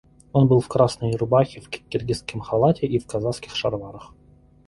Он был в красной рубахе, в киргизском халате и в казацких шароварах.